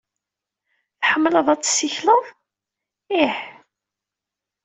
Tḥemmleḍ ad tessikleḍ? Ih.